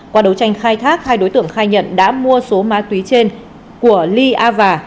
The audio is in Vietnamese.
qua đấu tranh khai thác hai đối tượng khai nhận đã mua số má túy trên của ly ava